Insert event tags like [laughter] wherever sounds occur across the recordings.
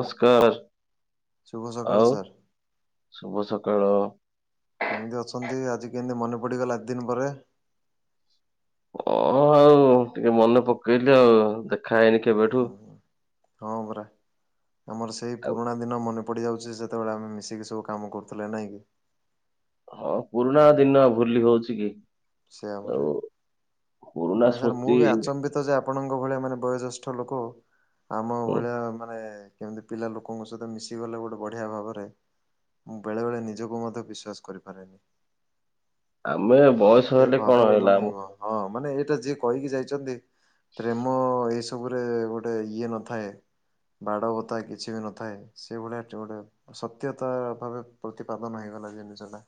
ନମସ୍କାର ଶୁଭ ସକାଳ ଆଉ ସାର୍ ଶୁଭ ସକାଳ। କେମିତି ଅଛନ୍ତି ଆଜି କେମିତି ମନେ ପଡ଼ିଗଲା ଏତ୍ ଦିନି ପରେ? ଅ ଆଉ ଟିକେ ମନେ ପକେଇଲି ଆଉ ଦେଖାହେଇ କେବେଠୁ। ହୁଁ, ହଁ ପରା ଆମର ସେଇ ଆଉ ପୁରୁଣା ଦିନ ମନେ ପଡ଼ିଯାଉଛି ସେତେବେଳେ ଆମେ ମିଶିକି ସବୁ କାମ କରୁଥିଲେ, ନାଇଁକି? ହ ପୁରୁଣା ଦିନ ଭୁଲି ହଉଛି କି। ସେୟା ଆଉ ପରା। ପୁରୁଣା ନାଇଁ ସାର୍ ମୁଁ ସ୍ମୃତି ବି ଆଚମ୍ବି ତ ଯେ ଆପଣଙ୍କ ଭଳିଆ ମାନେ ବୟୋଜ୍ୟେଷ୍ଠ ଲୋକ ଆମ ହୁଁ, ଭଳିଆ ମାନେ କେମିତି ପିଲା ଲୋକଙ୍କ ସହିତ ମିଶିଗଲେ ଗୋଟେ ବଢ଼ିଆ ଭାବରେ। ମୁଁ ବେଳେବେଳେ ନିଜକୁ ମଧ୍ୟ ବିଶ୍ଵାସ କରିପାରେନି। ଆମେ ବୟସ ଏତେ ହେଲେ କଣ ଭାବରେ ହେଲା ମାନେ ଆମ ଅଁ ହଁ ମାନେ ଏଇଟା ଯିଏ କହିକି ଯାଇଛନ୍ତି ପ୍ରେମ ଏଇ ସବୁରେ ଗୋଟେ ଇଏ ନଥାଏ ବାଡ଼ ବତା କିଛି ବି ନଥାଏ ସେଇଭଳିଆ ଚଡ଼େ ସତ୍ୟତା ଭାବେ ପ୍ରତିପାଦନ ହେଇଗଲା ଜିନିଷଟା।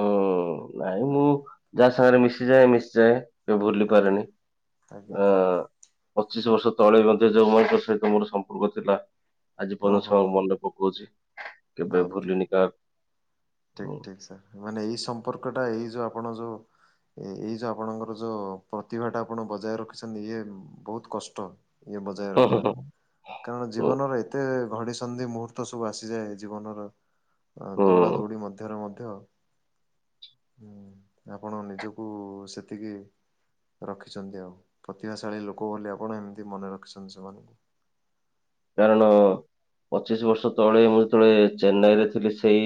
ଓଁ ନାଇଁ ମୁଁ ଆଜ୍ଞା ଯାହା ସାଙ୍ଗରେ ମିଶିଯାଏ ମିଶିଯାଏ। କେ ଭୁଲି ଆଜ୍ଞା ପାରେନି ଆଜ୍ଞା ଆ ପଚିଶି ବର୍ଷ ତଳେ ମଧ୍ୟ ଯୋଉ ମୟଙ୍କ ସହିତ ମୋର ସମ୍ପର୍କ ଥିଲା ଆଜି ପଯ୍ୟ ଓହୋ ହୋ ଛଆଙ୍କ ମନରେ ପକଉଛି କେବେ ବାପରେ ଭୁଲିନି କା ଠିକ୍ ଠିକ୍ ସାର୍ ମାନେ ଏଇ ସମ୍ପର୍କଟା ଏଇ ଯ ଆପଣ ଯୋ ଏ ଏଇ ଯୋଉ ଆପଣଙ୍କର ଯୋଉ ପ୍ରତିଭାଟା ଆପଣ ବଜାୟ ରଖିଛନ୍ତି ଇଏ ବହୁତ୍ କଷ୍ଟ। ଇଏ ବଜାୟ ହୁଁ ରଖିବା କାରଣ ହୁଁ ଜୀବନରେ ତେ ଘଡ଼ି ସନ୍ଧି ମୁହୂର୍ତ୍ତ ସବୁ ଆସିଯାଏ ଜୀବନର ଆ ହୁଁ। ଦୋଡ଼ ମଧ୍ୟରେ ମଧ୍ୟ ହୁଁ ଆପଣ ନିଜକୁ ସେତିକି ରଖିଛନ୍ତି ଆଉ ପ୍ରତିଭାଶାଳୀ ଲୋକ ବୋଲି ଆପଣ ଏମିତି ମନେ ରଖିଛନ୍ତି ସେମାନଙ୍କୁ। କାରଣ ପଚିଶି ବର୍ଷ ତଳେ ମୁଁ ଯେତେବେଳେ ଚେନ୍ନାଇରେ ଥିଲି ସେଇ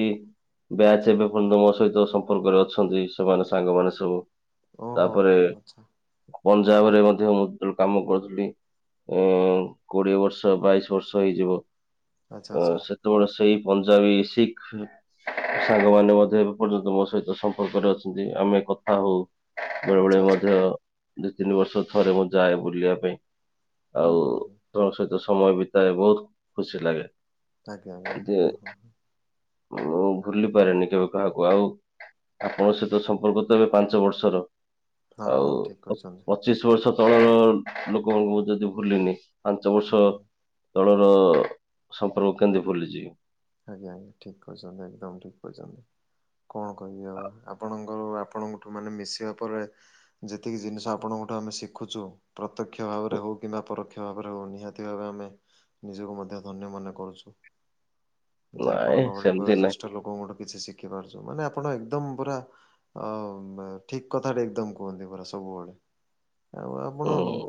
ବ୍ୟାଚ୍ ଏବେ ପନ୍ତ ମୋ ସହିତ ସମ୍ପର୍କରେ ଅଛନ୍ତି ସେମାନେ ସାଙ୍ଗମାନେ ସବୁ। ଓହୋ ତାପରେ ହୋ ଆଚ୍ଛା ପଞ୍ଜାବରେ ମଧ୍ୟ ମୁଁ କାମ କରୁଥିଲି ଏଁ କୋଡ଼ିଏ ବର୍ଷ ବାଇଶି ବର୍ଷ ହେଇଯିବ ଆଚ୍ଛା ଆ ଆଚ୍ଛା ସେତେବେଳେ ସେଇ ପଞ୍ଜାବୀ ଶିଖ୍ ସାଙ୍ଗମାନେ ମଧ୍ୟ ଏବେ ପର୍ଯ୍ୟନ୍ତ ମୋ ସହିତ ସମ୍ପର୍କରେ ଅଛନ୍ତି ଆମେ କଥା ହଉ। ବେଳେ ବେଳେ ଆଚ୍ଛା ଆଚ୍ଛା ମଧ୍ୟ ଦିଇ ତିନି ବର୍ଷ ଥରେ ମୁଁ ଯାଏ ବୁଲିବା ପାଇଁ। ହୁଁ ଆଉ ହୁଁ ହୁଁ ତମ ସହିତ ସମୟ ବିତାଏ ବହୁତ୍ ଖୁସି ଲାଗେ। ଆଜ୍ଞା ଆଜ୍ଞା ହଁ ହଁ ହଁ। ମୁଁ ଭୁଲି ଠିକ୍ ପାରେନି କେବେ ଠିକ୍ କାହା କୁ ଆଉ ଆପଣଙ୍କ ସହିତ ସମ୍ପର୍କ ତ ଏବେ ପାଞ୍ଚ ବର୍ଷର। ହଁ ଆଉ ଠିକ୍ ଅତ୍ କହିଛନ୍ତି ପତ୍ ଚିଶି ବର୍ଷ ତଳର ଲୋକମାନଙ୍କୁ ମୁ ଯଦି ଭୁଲିନି ପାଞ୍ଚ ହୁଁ ବର୍ଷ ହୁଁ ତଳର ସମ୍ପର୍କ କେମିତି ଭୁଲିଯିବି? ଆଜ୍ଞା ଆଜ୍ଞା ଠିକ୍ କହିଛନ୍ତି ଏକଦମ୍ ଠିକ୍ କରିଛନ୍ତି କଣ କହିବି ଆଉ ଆପଣ ଉଁ ଆପଣଙ୍କଠୁ ମାନେ ମିଶିବା ପରେ ଯେତିକି ଜିନିଷ ଆପଣଙ୍କଠୁ ଆମେ ଶିଖୁଛୁ ପ୍ରତ୍ୟକ୍ଷ ହୁଁ, ଭାବରେ ହଉ କିମ୍ବା ପରୋକ୍ଷ କ୍ଷ ଭାବରେ ହଉ ନିହାତି ଭାବେ ଆମେ ନିଜକୁ ମଧ୍ୟ ଧନ୍ୟ ମନେ କରୁଛୁ। ଯେ ନାଇଁ ଆପଣଙ୍କ ଭଳି ସେମିତି ନାଇଁ ବୟୋଜ୍ୟେଷ୍ଠ ଲୋକଙ୍କଠୁ କିଛି ଶିଖି ପାରୁଛୁ ମାନେ ଆପଣ ଏକଦମ୍ ପୁରା ଆଉ ମା ଠିକ୍ କଥାଟେ ଏକଦମ୍ କୁହନ୍ତି ପୁରା ସବୁବେଳେ। ଆଉ ଆପଣ ହୁଁ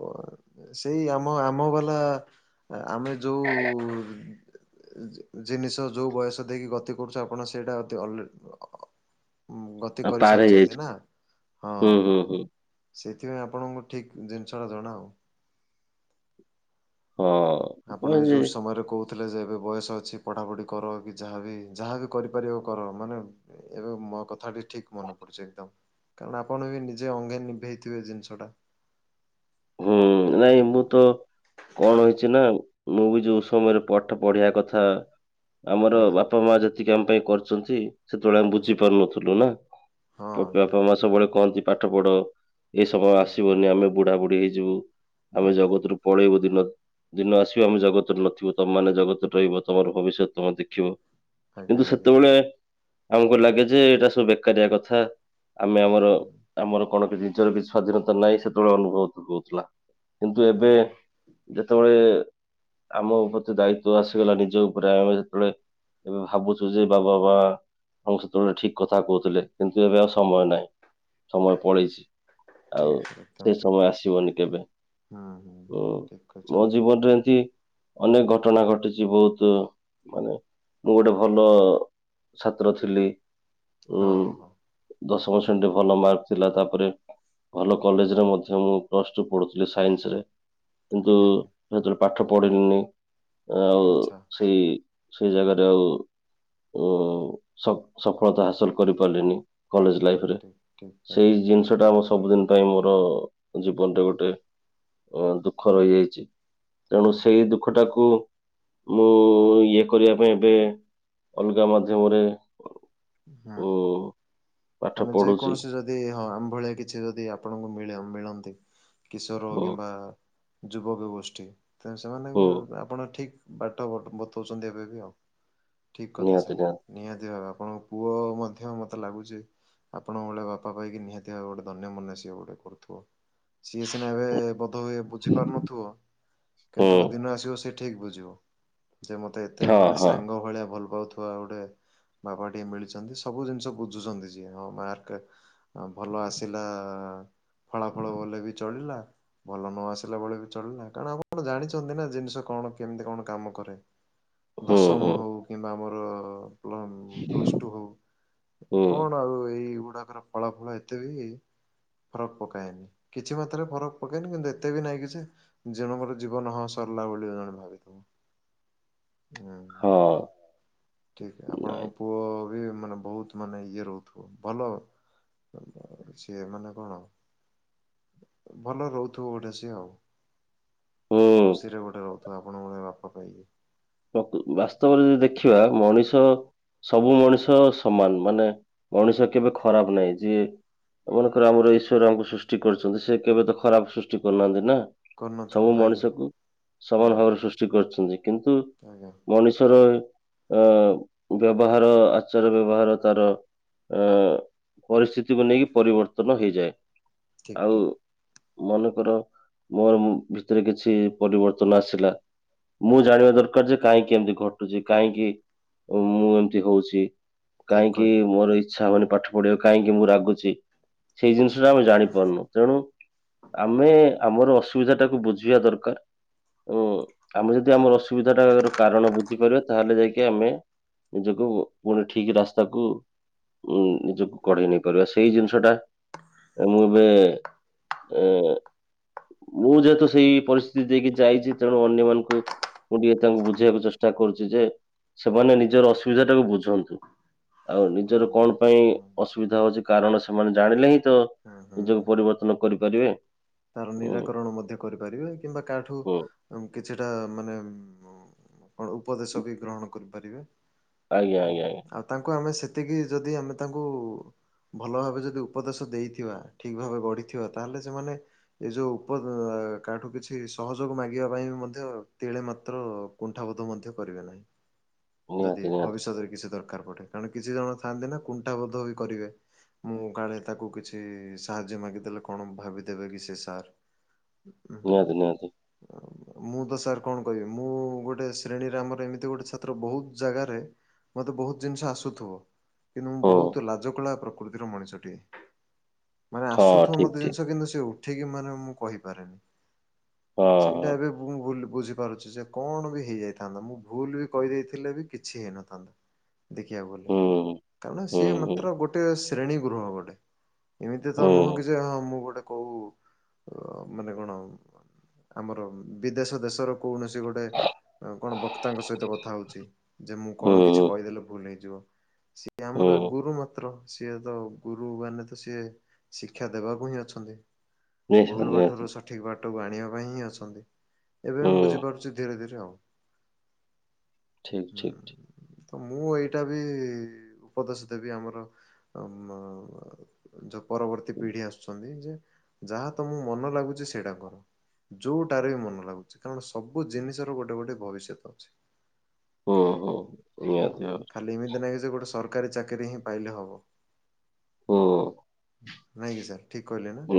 ସେଇ ଆମ ଆମ ବାଲା ଆମେ ଯୋଉ ଜିନିଷ ଯୋଉ ବୟସ ଦେଇକି ଗତି କରୁଚୁ ଆପଣ ସେଇଟା ଅତି ଅଲରେ ଅ ଗ ତି ଆଉ ପାର କରିସାରିଛନ୍ତି ହେଇଯାଇଛି ନା ହଁ। ହୁଁ ହୁଁ ହୁଁ ସେଥିପାଇଁ ଆପଣଙ୍କୁ ଠିକ୍ ଜିନିଷ ଟା ଜଣା ଅଉ। ହଁ। କଣ ଆପଣ ଯେ ଯୋଉଁ ସମୟରେ କୋହୁ ଥିଲେ ଯେ ଏବେ ବୟସ ଅଛି ପଢାପଢି କର କି ଯାହାବ ଯାହାବି କରିପାରିବ କର ମାନେ ଏବେ ମୋ କଥା ଟି ଠିକ ମନେ ପଡୁଚି ଏକଦମ କାରଣ ଆପଣ ବି ନିଜେ ଅଙ୍ଗେ ନିଭେଇଥିବେ ଜିନିଷଟା। ହୁଁ ନାଇଁ ମୁଁ ତ କଣ ହୋଇଚି ନା ମୁଁ ବି ଯୋଉ ସମୟରେ ପାଠ ପଢିବା କଥା ଆମର ଆଜ୍ଞା ବାପ ମା ଯେତିକି ଆମ ପାଇଁ କରିଚନ୍ତି ସେତେବେଳେ ଆମେ ବୁଝି ହୁଁ ପାରୁନଥିଲୁ ନା ହଁ ପା ଠିକ ବାପା ମା ଠିକ। ସବୁବେଳେ କହନ୍ତି ପାଠ ପଢ। ଏଇ ସମୟ ଆଜ୍ଞା ଆସିବନି ଆମେ ବୁଢାବୁଢ଼ୀ ହେଇଯିବୁ। ଆମେ ଆଜ୍ଞା ଜଗତରୁୁ ପଳେଇବୁ ଦିନ ଦିନ ଆସିବ ଆମେ ଜଗତରେ ନଥିବୁ ତମ ମେ ଜଗତରେ ରହିବ ତମର ଭବିଷ୍ୟତ ତମେ ଦେଖିବ। ଆଜ୍ଞା କିନ୍ତୁ ଆଜ୍ଞା ସେତୋବେଳେ ଆମକୁ ଲାଗେ ଯେ ଏଇଟା ସବୁ ବେକାରିଆ କଥା। ଆମେ ଆମର ହୁଁ ଆମର କଣ କି ଜିନିଷର କିଛି ସ୍ଵାଧୀନତା ନାହିଁ ସେତେବେଳେ ଅନୁଭୋଉତ ହଉଥିଲା। କିନ୍ତୁ ଏବେ ହୁଁ ଯେତୋବେଳେ ଆମ ପ୍ରତି ଓ ଦାୟିତ ଆସିଗଲା ନିଜ ଉପରେ ଆମେ ଯେତୋବେଳେ ଏବେ ଭାବୁଛୁ ଯେ ବାବାବା ଆମକୁ ସେତୋବେଳେ ଠିକ କଥା କହୁଥିଲେ କିନ୍ତୁ ଏବେ ଆଉ ସମୟ ନାହିଁ। ସମୟ ପଳେଇଛି ଆଉ ଠିକ ଏକଦମ ସେ ଠିକ। ସମୟ ଆସିବନି। କେବେ ହୁଁ ହୁଁ ହୁଁ ଉଁ ଠିକ ମୋ କହିଛନ୍ତି ଜୀବନରେ ଏମିତି ଅନେକ ଘଟଣା ଘଟିଛି ବୋହୁତ ମାନେ ମୁଁ ଗୋଟେ ଭଲ ଛାତ୍ର ଥିଲି। ଉଁ ହଁ ହଁ ହଁ ଦଶମ ଶ୍ରେଣୀ ଭଲ ମାର୍କ ଥିଲା। ତାପରେ ଭଲ କଲେଜରେ ମଧ୍ୟ ମୁଁ ପ୍ଲସ ଚୋ ପଢୁଥିଲେ ସାଇନ୍ସରେ କିନ୍ତୁ ଆଜ୍ଞା ଆଜ୍ଞା ମୁଁ ସେତୋବେଳେ ପାଠ ପଢିନିନି। ଆଉ ଆଚ୍ଛା ସେଇ ସେଇ ଜାଗାରେ ଆଉ ଓ ସ ସଫଳତା ହାସଲ କରିପାରିଲନି। କଲେଜ ଠିକ ଲାଇଫରେ ଠିକ ଠିକ ଆଜ୍ଞା ସେଇ ଜିନିଷଟା ଆ ସବୁଦିନ ପାଇଁ ମୋର ଗଣ୍ଡେ ଗୋଟେ ଅଁ ଦୁଃଖ ରହିଯାଇଛି। ହଁ ତେଣୁ ହଁ ସେଇ ଦୁଃଖଟାକୁ ମୁଁ ଇଏ କରିବା ପାଇଁ ଏବେ ଅଲଗା ମାଧ୍ୟମରେ ହୁଁ ଉଁ ହୁଁ ପାଠ ମାନେ ପଢୁଛି ଯେକୌଣସି ଯଦ ଦେଇ ହଁ ଆମ୍ଭଳିଆ କିଛି ଯଦି ଆପଣଙ୍କୁ ମିଳେ ମିଳନ୍ତି କିଶୋର ହୁଁ କିମ୍ବା ଯୁବକ ଗୋଷ୍ଠୀ ତେଣୁ ସେମାନଙ୍କୁ ହୁଁ ଆପଣ ଠିକ୍ ବାଟ ବଟ ବତୋଉଚନ୍ତି ଏବେ ବି ଆଉ। ଠିକ୍ କଥା ସାର୍ ନିହାତି ଭାବେ ଆପଣ ପୁଅ ମଧ୍ୟ ମତେ ଲାଗୁଚି ଆପଣଙ୍କ ଭଳିଆ ବାପା ପାଇକି ନିହାତି ଭାବେ ଗୋଟେ ଧନ୍ୟ ମନେ ସିଏ ଗୋଟେ କରୁଥିବ। ସିଏ ସିନା ଏବେ ବୋଧ ହୁଏ ବୁଝିପାରୁନଥିବ ହୁଁ କିନ୍ତୁ ଦିନ ଆସିବ ସେ ଠିକ ବୁଝିବ ଯେ ମ ମତେ ଏତେ ହଁ ମାନେ ହଁ ସାଙ୍ଗ ଭଳିଆ ଭଲ ପାଉଥିବା ଗୋଟେ ବାପା ଟେ ମିଳି ଚନ୍ତି ସବୁ ଜିନିଷ ବୁଝୁଚନ୍ତି ଯିଏ ହଁ ମାର୍କ ଭଲ ଆସିଲା। ଫଳାଫଳ ଗଲେ ବି ଚଳିଲା। ଭଲ ନ ଆସିଲା ବେଳେ ବି ଚଳିଲା କାରଣ ଆପଣ ତ ଜାଣିଚନ୍ତି ନା ଜିନିଷ କଣ କେମିତି କଣ କାମ କରେ। ହୁଁ ହୁଁ ଦଶମ ହଉ କିମ୍ବା ଆମର ପ୍ଲମ୍ ଟୁ ହୋଉ ହୁଁ କଣ ଆଉ ଏଇ ଗୁଡାକର ଫଳାଫଳ ଏତେବି ଫରକ୍ ପକାଏନି କିଛି ମାତ୍ରାରେ ଫରକ୍ ପକାଏନି କିନ୍ତୁ ଏତେ ବି ନାହିଁ କି ଯେ ଜଣଙ୍କର ଜୀବନ ହଁ ସରିଲା ବୋଲି ଜଣେ ଭାବିଦବ। ଉଁହୁଁ ହଁ ଠିକ୍ ନାଇଁ ଆପଣଙ୍କ ପୁଅ ବି ମାନେ ବୋହୁତ ମାନେ ଇଏ ରୋହୁଥୁବ ଭଲ। ଅ ବା ସିଏ ମାନେ କଣ ଭଲ ରୋହୁଥୁବ ଗୋଟେ ସିଏ ଆଉ। ହୁଁ ଖୁସିରେ ଗୋଟେ ରୋହୁଥୁବ ଆପଣଙ୍କ ଭଳିଆ ବାପା ପାଇକି। ପ୍ରକୁ- ବାସ୍ତବରେ ଯଦି ଦେଖିବା ମଣିଷ ସବୁ ମଣିଷ ସମାନ୍ ମାନେ ମଣିଷ କେବେ ଖରାପ୍ ନାଇ ଯିଏ [unintelligible] ମନେକର ଆମର ଈଶ୍ୱର ଆମକୁ ସୃଷ୍ଟି କରିଚନ୍ତି ସେ କେବେ ତ ଖରାପ୍ ସୃଷ୍ଟି କରିନାହାନ୍ତି ନା। କରିନଥିବେ ସବୁ ଆଜ୍ଞା ମଣିଷକୁ ହୁଁ ସମାନ୍ ଭାବରେ ସୃଷ୍ଟି କରିଚନ୍ତି କିନ୍ତୁ ଆଜ୍ଞା। ମଣିଷର ଅ- ବ୍ୟବହାର ଆଚାର ବ୍ୟବହାର ତାର ଆ- ପରିସ୍ତିତିକୁ ନେଇକି ପରିବର୍ତ୍ତନ ହେଇଯାଏ ଠିକ ଆଉ ଠିକ ମନେକର ମୋର୍-ମ ଭିତେରେ କିଛି ପରିବର୍ତ୍ତନ ଆସିଲା ମୁଁ ଜାଣିବା ଦରକାର୍ ଯେ କାଇଁକି ଏମିତି ଘଟୁଚି କାଇଁକି ମୁଁ ଏମତି ହଉଚି ଠିକ କାଇଁକି କହିଲେ ମୋର ଇଚ୍ଛା ହଉନି ପାଠ ପଢିବାକୁ କାଇଁକି ମୁଁ ରାଗୁଚି। ସେଇ ଜିନିଷଟା ଆମେ ଜାଣିପାରୁନୁ। ତେଣୁ ଆମେ ଆମର ଅସୁବିଧାଟାକୁ ବୁଝିବା ଦରକାର୍। ଏବଂ ଆମେ ଯଦି ଆମର ଅସୁବିଧାଟାର କାରଣ ବୁଝି ପାରିବା ତାହେଲେ ଯାଇକି ଆମେ ନିଜକୁ ପୁଣି ଠିକ୍ ରାସ୍ତାକୁ ଉଁ -ନିଜକୁ କଢେଇ ନେଇ ପାରିବା ସେ ଏଇ ଜିନିଷଟା ମୁଁ ଏବେ ଏ ମୁଁ ଯେହେତୁ ସେଇ ପରିସ୍ଥିତି ଦେଇକି ଯାଇଚି ତେଣୁ ଅନ୍ୟମାନଙ୍କୁ ମୁଁ ଟିକେ ତାଙ୍କୁ ବୁଝେଇବାକୁ ଚେଷ୍ଟା କରୁଚି ଯେ ସେମାନେ ନିଜର ଅସୁବିଧାଟାକୁ ବୁଝନ୍ତୁ। ଆଉ ନିଜର ବୁଝନ୍ତୁ କଣ୍ ଆଜ୍ଞା ପାଇଁ ହୁଁ ଅସୁବିଧା ହଉଚି କାରଣ ସେମାନେ ଜାଣିଲେ ହିଁ ତ ହୁଁ ହୁଁ ନିଜକୁ ହୁଁ ପରିବର୍ତ୍ତ ନ କରିପାରିବେ। ତାର ଉଁ ନିରାକରଣ ମଧ୍ୟ କରିପାରିବେ କିମ୍ବା କା ଠୁ ହୁଁ। ଉଁ- କିଛିଟା ମାନେ ଉଁ- କଣ ଉପଦେଶ ବି ଗ୍ରହଣ କରିପାରିବେ। ଆଜ୍ଞା ଆଜ୍ଞା ଆଜ୍ଞା ଆଉ ତାଙ୍କୁ ଆମେ ସେତିକି ଯଦି ଆମେ ତାଙ୍କୁ ଭଲ ଭାବେ ଯଦି ଉପଦେଶ ଦେଇଥିବା ଠିକ୍ ଭାବେ ଗଢିଥିବା ତାହେଲେ ସେମାନେ ଏ ଯଉ ଉପ- ଅ- କା ଠୁ କିଛି ସହଯୋଗ ମାଗିବା ପାଇଁ ବି ମଧ୍ୟ ତିଳେ ମାତ୍ର କୁଣ୍ଠାବୋଧ ମଧ୍ୟ କରିବେ ନାହିଁ ନିହାତି ଯଦି ନିହାତି ଭବିଷ୍ୟତରେ କିଛି ଦର୍ କାର୍ ପଡେ କାରଣ କିଛି ଜଣ ଥାଆନ୍ତି ନା କୁଣ୍ଠାବୋଧ ବି କରିବେ। ମୁଁ କାଳେ ତାକୁ କିଛି ସାହାଯ୍ୟ ମାଗିଦେଲେ କଣ ଭାବିଦେବେ କି ସି ଏ ସାର୍। ନିହାତି -ନିହାତି। ଆ ମୁଁ ତ ସାର୍ କଣ କହିବି ମୁଁ ଗୋଟେ ଶ୍ରେଣୀରେ ଆମର ଏମିତି ଗୋଟେ ଛାତ୍ର ବୋହୁତ୍ ଜାଗାରେ ମତେ ବହୁତ୍ ଜିନିଷ ଆସୁଥୁବ କିନ୍ତୁ ମୁଁ ହୁଁ ବହୁତ୍ ଲାଜକୁଳା ପ୍ରକୃତିର ମଣିଷଟିଏ। ମାନେ ହଁ ଆସୁଥୁବ ଠିକ ମତେ ଠିକ। ଜିନିଷ କିନ୍ତୁ ସେ ଉଠିକି ମାନେ ମୁଁ ହଁ କହିପାରେନି ହଁ ସେଇଟା ଏବେ ମୁଁ ମୋ ଭୁଲ୍ ବୁଝିପାରୁଚି ଯେ କଣ ବି ହେଇଯାଇଥାନ୍ତା ମୁଁ ଭୁଲ୍ ବି କହିଦେଇଥିଲେ ବି କିଛି ହେଇନଥାନ୍ତା। ଦେଖିବାକୁ ଗଲେ କାରଣ ହୁଁ ସିଏ ହୁଁ ମାତ୍ର ଗୋଟେ ଶ୍ରେଣୀ ଗୃହ ଗୋଟେ ଏମିତି ହୁଁ ହୁଁ ତ ନୁହଁ କି ଯେ ହଁ ମୁଁ ଗୋଟେ କଉ ଅ -ମାନେ କଣ ଆମର ବିଦେଶ ଦେଶର କୌଣସି ଗୋଟେ ଅ- କଣ ବକ୍ତାଙ୍କ ସହିତ କଥା ହଉଚି ଯେ ମୁଁ ହୁଁ କଣ ହୁଁ। କିଛି କହିଦେଲେ ଭୁଲ୍ ହେଇଯିବ ସି ସିଏ ଆମର ଗୁରୁ ମାତ୍ର ସିଏ ତ ଗୁରୁ ମାନେ ତ ସିଏ ଶିକ୍ଷା ଦେବାକୁ ହିଁ ଅଛନ୍ତି। ଭୁଲ୍ ବାଟରୁ ସଠିକ୍ ବାଟକୁ ଆଣିବା ପାଇଁ ହିଁ ଅଛନ୍ତି। ଏବେ ମୁଁ ବୁଝିପାରୁଚି ଧୀରେ ଧୀରେ ଆଉ। ହୁଁ। ତ ମୁଁ ଏଇଟା ବି ଉପଦେଶ ଦେବି ଆମର ଆମ ଯଉ ପରବର୍ତ୍ତୀ ପିଢି ଆସୁଚନ୍ତି ଯେ ଯାହା ତମକୁ ମନ ଲାଗୁଚି ସେଇଟା କର। ଯଉଟାରେ ବି ମନ ଲାଗୁଚି କାରଣ ସବୁ ଜିନିଷ ର ଗୋଟେ ଗୋଟେ ଭବିଷ୍ୟତ ଅଛି। ହଁ ଖାଲି ଏମିତି ନାହିଁ ଯେ ଗୋଟେ ସରକାରୀ ଚାକିରିୀ ହିଁ ପାଇଲେ ହବ। ନାଇଁ କିି ସାର୍ ଠିକ୍ କହିଲେ ନା?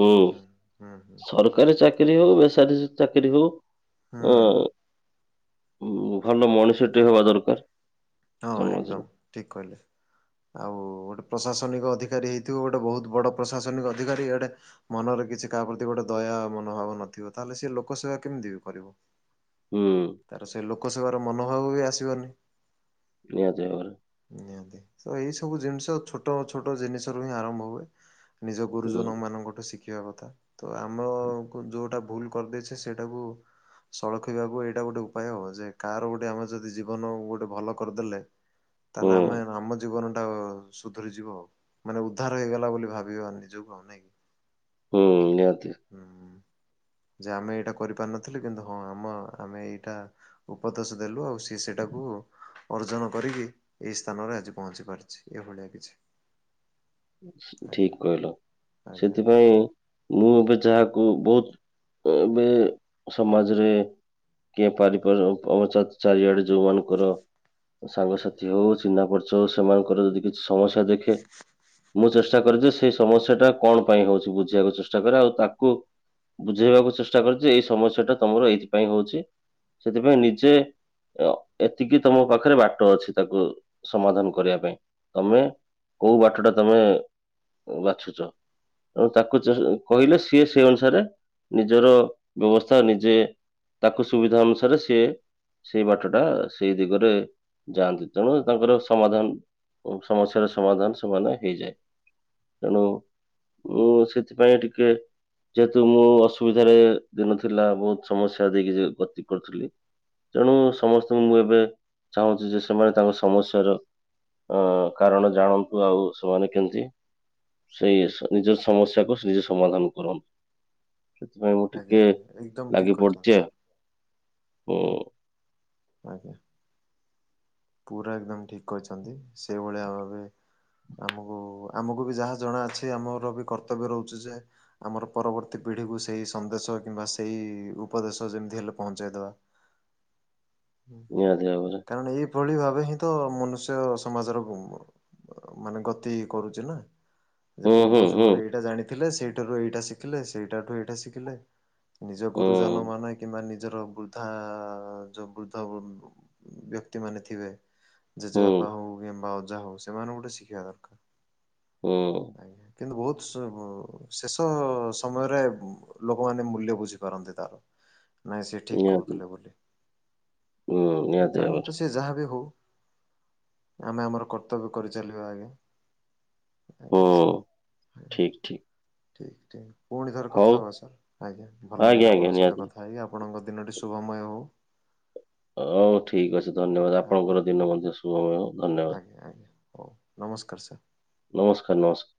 ହୁଁ ହୁଁ ହୁଁ ସରକାରୀ ଚାକିରୀ ହଉ ବେସାଦିଚାକିରୀ ହଉ ହୁଁ ଅଁ-ମହାନ ମଣିଷ ଟିଏ ହବା ଦରକାର୍। ହଁ ଏକଦମ ଠିକ୍ କହିଲେ। ଆଉ ଗୋଟେ ପ୍ରଶାସନିକ ଅଧିକାରୀ ହେଇଥିବ ଗୋଟେ ବହୁତ ବଡ଼ ପ୍ରଶାସନିକ ଅଧିକାରୀ ଏଇଡ଼େ ମନରେ କିଛି କାହା ପ୍ରତି ଗୋଟେ ଦୟା ମନୋଭାବ ନଥିବ ତାହେଲେ ସିଏ ଲୋକ ସେବା କେମିତି ବି କରିବ। ହୁଁ, ତାର ସେ ଲୋକସେବାର ମନୋଭାବ ବି ଆସିବନି। ନିହାତି ଭାବରେ। ନିହାତି ଏଇ ସବୁ ଜିନିଷ ଛୋଟ-ଛୋଟ ଜିନିଷ ରୁ ହିଁ ଆରମ୍ଭ ହୁଏ‌‌। ‌ ନିଜ ଗୁରୁଜନ ମାନଙ୍କଠୁ ଶିଖିବା କଥା ତ ଆମକୁ ଯୋଉଟା ଭୁଲ, କରିଦେଇଛେ ସେଇଟାକୁ, ସଳକି ବାବୁ ଏଇଟା ଗୋଟେ ଉପାୟ ହବ ଯେ କାହାର ଗୋଟେ ଆମର ଯଦି ଜୀବନ ଗୋଟେ ଭଲ, କରିଦେଲେ ତାହେଲେ ଆମେ ଆମ ଜୀବନ ଟା ଅ, ସୁଧରିଯିବ ଆଉ ମାନେ ଉଦ୍ଧାର ହେଇଗଲା ବୋଲି ଭାବିବା ନିଜକୁ ଆମେ। ହୁଁ ନିହାତି। ହୁଁ ଯେ ଆମେ ଏଇଟା କରିପାରିନଥିଲୁ କିନ୍ତୁ ହଁ ଆମ ଆମେ ଏଇଟା, ଉପଦେଶ ଦେଲୁ ଆଉ ସେଏ ସେଇଟାକୁ, ଅର୍ଜନ କରିକି ଏହିଇ ସ୍ଥାନରେ ଆଜି ପହଞ୍ଚି ପାରିଛି ଏଭଳିଆ କିଛି,। ଆଜ୍ଞା। ଠିକ୍ କହିଲ ଆଜ୍ଞା ଆଜ୍ଞା ସେଥିପାଇଁ, ମୁଁ ଏବେ ଯାହାକୁ ବହୁତ ଏ ଏବେ ସମାଜରେ, କିଏ ପାରିପର ଅଚାତ ଚାରିଆଡ଼େ ଯୋଉ ମାନଙ୍କର, ସାଙ୍ଗସାଥି ହଉ ଚିହ୍ନା ପର୍ଚ ହଉ ସେମାନଙ୍କର ଯଦି କିଛି ସମସ୍ୟା ଦେଖେ, ମୁଁ ଚେଷ୍ଟା କରେ ଯେ ସେଇ ସମସ୍ୟା ଟା କଣ ପାଇଁ ହଉଛି ବୁଝିବାକୁ ଚେଷ୍ଟା କରେ ଆଉ ତାକୁ, ବୁଝେଇବାକୁ ଚେଷ୍ଟା କରୁଛି ଏଇ ସମସ୍ୟା ଟା ତମର ଏଇଥିପାଇଁ ହଉଛି ସେଥିପାଇଁ ନିଜେ, ତ ଏତିକି ତମ ପାଖରେ ବାଟ ଅଛି ତାକୁ ସମାଧାନ କରିବା ପାଇଁ,। ତମେ କୋଉ ବାଟଟା ତମେ ବାଛୁଛ। ଏବଂ ତାକୁ କହିଲେ ସିଏ ସେ ଅନୁସାରେ ନିଜର ବ୍ୟବସ୍ଥା ନିଜେ, ତାକୁ ସୁବିଧା ଅନୁସାରେ ସିଏ ସେଇ ବାଟଟା ସେଇ ଦିଗରେ, ଯାଆନ୍ତି ତେଣୁ ତାଙ୍କର ସମାଧାନ ଉ ସମସ୍ୟାର ସମାଧାନ ସେମାନେ ହେଇଯାଏ। ତେଣୁ ମୁଁ ସେଥିପାଇଁ ଟିକେ, ଯେହେତୁ ମୁଁ ଅସୁବିଧାରେ ଦିନ ଥିଲା ବହୁତ ସମସ୍ୟା ଦେଇକି ଗତି କରୁଥିଲି। ତେଣୁ ସମସ୍ତଙ୍କୁ ମୁଁ ଏବେ ଚାହୁଁଛି ଯେ ସେମାନେ ତାଙ୍କ ସମସ୍ୟାର, ଅ କାରଣ ଜାଣନ୍ତୁ ଆଉ ସେମାନେ କେମିତି? ସେଇ ସା ନିଜ ସମସ୍ୟାକୁ ନିଜେ ସମାଧାନ କରନ୍ତୁ। ସେଥିପାଇଁ ମୁଁ ଆଜ୍ଞା ଟିକେ ଆଜ୍ଞା ଏକଦମ ଠିକ ଲାଗି କହିଛନ୍ତି ପଡ଼ିଛି ଆଉ ସାର୍ ହୁଁ। ଆଜ୍ଞା। ପୁରା ଏକଦମ ଠିକ କରିଛନ୍ତି ସେଇଭଳିଆ ଭାବେ ଆମକୁ-ଆମକୁ ବି ଯାହା ଜଣା ଅଛି ଆମର ବି କର୍ତ୍ତବ୍ୟ ରହୁଛି ଯେ, ଆମର ପରବର୍ତ୍ତୀ ପିଢ଼ିକୁ ସେଇ ସନ୍ଦେଶ କିମ୍ବା ସେଇ ଉପଦେଶ ଯେମିତି ହେଲେ ପହଞ୍ଚେଇଦବା। ନିହାତି ଭାବରେ କାରଣ ଏଇ ପଳି ଭାବେ ହିଁ ତ ମନୁଷ୍ୟ ସମାଜର ଭୁବ୍। ମାନେ ଗତି କରୁଛି ନା। ଯେ ହୁଁ ହୁଁ ପୂର୍ବ ହୁଁ ଯୁଗରେ ଏଇଟା ଜାଣିଥିଲେ ସେଇଠାରୁ ଏଇଟା ଶିଖିଲେ ସେଇଟାଠୁ ଏଇଟା ଶିଖିଲେ। ନିଜ ହୁଁ ଗୁରୁଜନ ମାନେ। କିମ୍ବା ନିଜର ବୃଦ୍ଧା ଯୋଉ ବୃଦ୍ଧ ବ୍ୟକ୍ତି ମାନେ ଥିବେ ଜେଜେବାପା ହୁଁ ହଉ କିମ୍ବା ଅଜା ହଉ ସେମାନଙ୍କୁ ଗୋଟେ ଶିଖିବା ଦରକାର। ହୁଁ ଆଜ୍ଞା କିନ୍ତୁ ବହୁତ ଶେଷ ସମୟରେ ଲୋକମାନେ ମୂଲ୍ୟ ବୁଝିପାରନ୍ତି ତାର। ନାଇଁ ସେି ଠିକ ନିହାତି କହୁଥିଲେ ବୋଲି ହୁଁ ନିହାତି ତେଣୁ ଭାବରେ ସେ ଯାହା ବି ହଉ ଆମେ ଆମର କର୍ତ୍ତବ୍ୟ କରିଚାଲିବା ଆଗେ। ହୁଁ ଆଜ୍ଞା [unintelligible] ଠିକ ଠିକ ଠିକ ଠିକ। ପୁଣି ଥରେ ହଉ କଥା ହୁବା ସାର୍ ଆଜ୍ଞା ଭଲ ଆଜ୍ଞା ଲାଗିଲା ଆଜ୍ଞା ଆପଣଙ୍କ ସହିତ ନିହାତି କଥା ହେଇକି ଆପଣଙ୍କ ଦିନଟି ଶୁଭମୟ ହେଉ। ହଉ ଠିକ ଅଛି ଧନ୍ୟବାଦ ଆଜ୍ଞା ଆପଣଙ୍କର ଦିନ ମଧ୍ୟ ଶୁଭମୟ ହଉ ଧନ୍ୟବାଦ୍। ଆଜ୍ଞା ଆଜ୍ଞା ହଉ ନମସ୍କାର ସାର୍। ନମସ୍କାର ନମସ୍କା